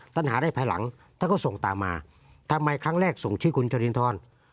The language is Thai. หาได้ภายหลังท่านก็ส่งตามมาทำไมครั้งแรกส่งชื่อคุณจรินทร